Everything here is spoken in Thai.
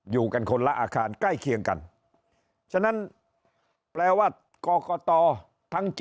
อยู่กันคนละอาคารใกล้เคียงกันฉะนั้นแปลว่ากรกตทั้ง๗